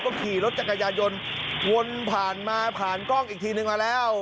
ก็ขี่รถจักรยานยนต์วนผ่านมาผ่านกล้องอีกทีนึงมาแล้ว